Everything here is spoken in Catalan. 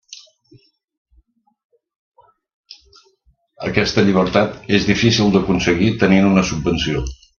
Aquesta llibertat és difícil d'aconseguir tenint una subvenció.